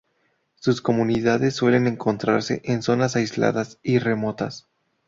Sus comunidades suelen encontrarse en zonas aisladas y remotas.